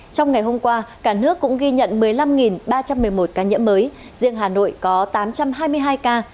trong ngày hôm qua cả nước cũng ghi nhận một mươi năm ba trăm một mươi một ca nhiễm mới riêng hà nội có tám trăm hai mươi hai ca